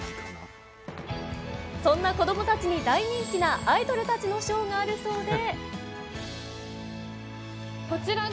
そんな子どもたちに大人気なアイドルたちのショーがあるそうで。